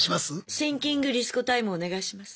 シンキング・リス子タイムお願いします。